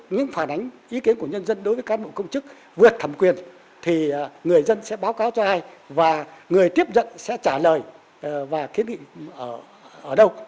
những phản ánh ý kiến của nhân dân đối với cán bộ công chức vượt thẩm quyền thì người dân sẽ báo cáo cho ai và người tiếp nhận sẽ trả lời và kiến nghị ở đâu